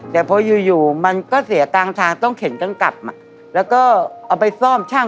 แต่พออยู่อยู่มันก็เสียตังค์ทางต้องเข็นกันกลับมาแล้วก็เอาไปซ่อมช่าง